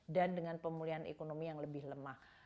dan dengan pemulihan ekonomi yang lebih lemah